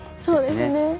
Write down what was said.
そうですね。